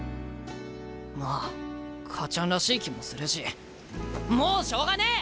まあ母ちゃんらしい気もするしもうしょうがねえ！